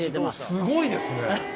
すごいですね。